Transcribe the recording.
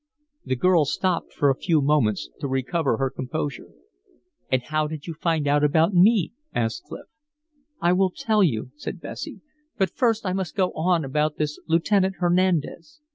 The girl stopped for a few moments to recover her composure. "And how did you find out about me?" asked Clif. "I will tell you," said Bessie. "But first I must go on about this Lieutenant Hernandez.